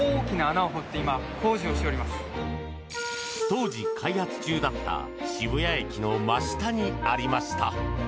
当時、開発中だった渋谷駅の真下にありました。